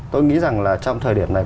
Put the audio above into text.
tôi nghĩ rằng trong thời điểm này